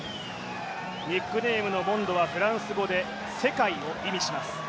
ニックネームのモンドはフランス語で世界を意味します。